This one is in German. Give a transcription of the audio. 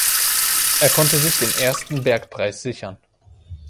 Er konnte sich den ersten Bergpreis sichern.